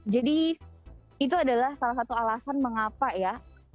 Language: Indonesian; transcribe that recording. jadi itu adalah salah satu alasan mengapa ya